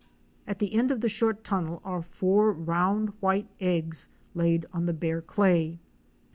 At the end of the short tunnel are four round white eggs laid on the bare clay.